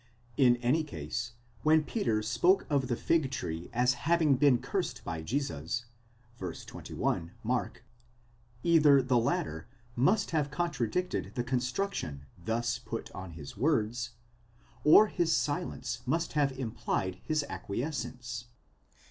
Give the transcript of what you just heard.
In any case, when Peter spoke of the fig tree as having been cursed by Jesus (v. 21 Mark), either the latter must have contra dicted the construction thus put on his words, or his silence must have implied his acquiescence.